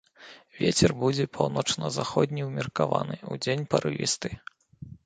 Вецер будзе паўночна-заходні ўмеркаваны, удзень парывісты.